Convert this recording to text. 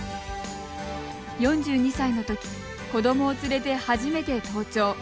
４２歳のとき子どもを連れて初めて登頂。